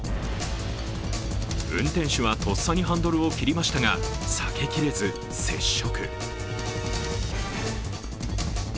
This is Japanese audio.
運転手はとっさにハンドルを切りましたが避けきれず、接触。